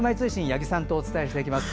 八木さんとお伝えします。